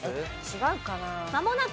違うかな。